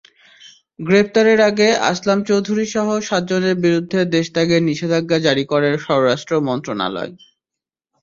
গ্রেপ্তারের আগে আসলাম চৌধুরীসহ সাতজনের বিরুদ্ধে দেশত্যাগে নিষেধাজ্ঞা জারি করে স্বরাষ্ট্র মন্ত্রণালয়।